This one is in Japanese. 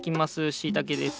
しいたけです。